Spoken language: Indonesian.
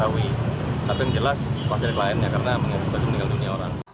tapi yang jelas wakil kliennya karena menghubungkan dunia orang